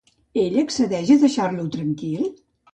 Ella accedeix a deixar-lo tranquil?